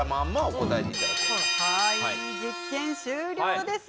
実験終了です。